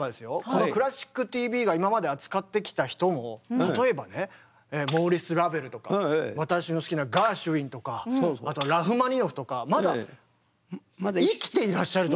この「クラシックＴＶ」が今まで扱ってきた人も例えばねモーリス・ラヴェルとか私の好きなガーシュウィンとかあとラフマニノフとかまだ生きていらっしゃる時。